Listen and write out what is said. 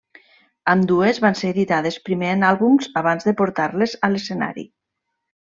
Ambdues van ser editades primer en àlbums abans de portar-les a l'escenari.